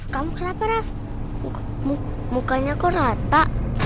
kamu kenapa raf mukanya kok rata